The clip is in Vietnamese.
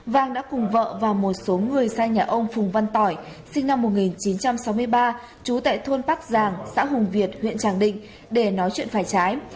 vang đã cùng vợ và một số người sang nhà ông phùng văn tỏi sinh năm một nghìn chín trăm sáu mươi ba trú tại thôn bắc giàng xã hùng việt huyện tràng định để nói chuyện phải trái